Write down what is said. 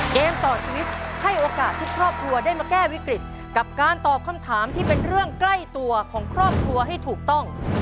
เกมต่อชีวิตให้โอกาสทุกครอบครัวได้มาแก้วิกฤตกับการตอบคำถามที่เป็นเรื่องใกล้ตัวของครอบครัวให้ถูกต้อง